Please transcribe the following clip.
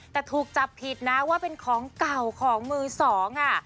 แต่ถูกจับผิดนะว่าเป็นของเก่าของมือสองอ่ะ